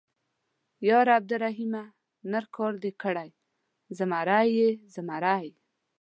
_ياره عبدالرحيمه ، نر کار دې کړی، زمری يې، زمری.